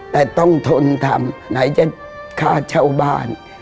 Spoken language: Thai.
แต่ต้องทนทำไหนจะค่าเช่าบ้าน